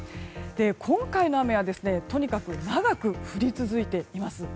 今回の雨はとにかく長く降り続いています。